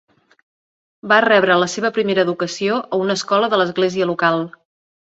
Va rebre la seva primera educació a una escola de l'església local.